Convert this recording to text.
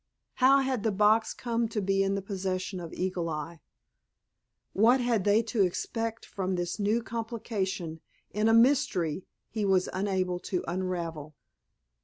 How had the box come to be in the possession of Eagle Eye? What had they to expect from this new complication in a mystery he was unable to unravel?